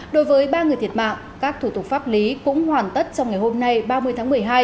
đối với ba người thiệt mạng các thủ tục pháp lý cũng hoàn tất trong ngày hôm nay ba mươi tháng một mươi hai